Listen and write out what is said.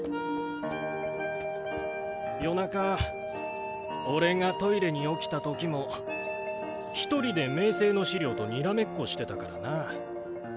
夜中俺がトイレに起きた時も１人で明青の資料とにらめっこしてたからなァ。